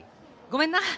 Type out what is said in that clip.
ごめんな。